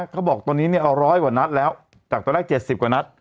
เขาบอกตอนนี้เนี่ยเอาร้อยกว่านัดแล้วจากตอนแรกเศสสิบกว่านัด